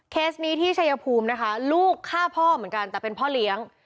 นี้ที่ชายภูมินะคะลูกฆ่าพ่อเหมือนกันแต่เป็นพ่อเลี้ยง